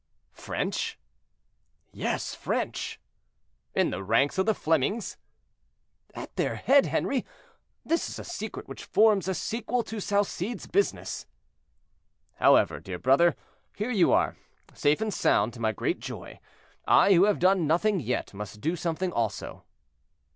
"French?" "Yes, French." "In the ranks of the Flemings?" "At their head, Henri; this is a secret which forms a sequel to Salcede's business." "However, dear brother, here you are, safe and sound, to my great joy; I, who have done nothing yet, must do something, also."